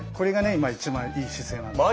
今一番いい姿勢なんです。